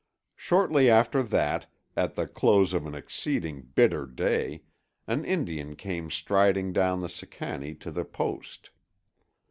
Shortly after that, at the close of an exceeding bitter day, an Indian came striding down the Sicannie to the post.